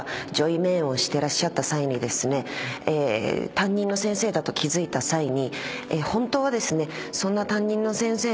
担任の先生だと気付いた際に。